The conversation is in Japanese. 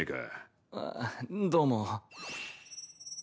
あどうも。